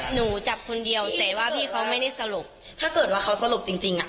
หนูจับคนเดียวแต่ว่าพี่เขาไม่ได้สลบถ้าเกิดว่าเขาสลบจริงจริงอ่ะ